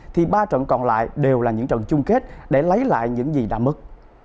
thì ba trận còn lại đều là những trận chung kết để lấy lại những gì đã mất